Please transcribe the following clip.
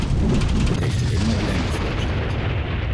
Het heeft alleen maar ellende veroorzaakt.